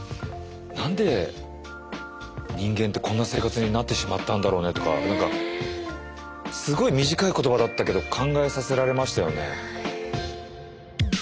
何で人間ってこんな生活になってしまったんだろうねとかすごい短い言葉だったけど考えさせられましたよね。